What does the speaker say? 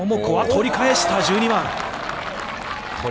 取り返した、１２番。